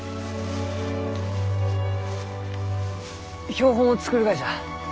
標本を作るがじゃ！